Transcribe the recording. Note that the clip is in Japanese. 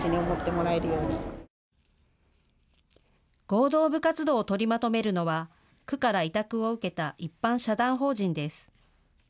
合同部活動を取りまとめるのは区から委託を受けた一般社団法人です。